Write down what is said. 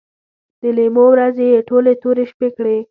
د لیمو ورځې یې ټولې تورې شپې کړې